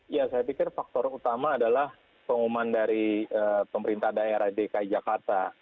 ya saya pikir faktor utama adalah pengumuman dari pemerintah daerah dki jakarta